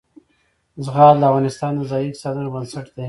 زغال د افغانستان د ځایي اقتصادونو بنسټ دی.